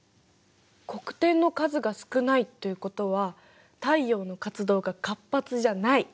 黒点の数が少ないということは太陽の活動が活発じゃない！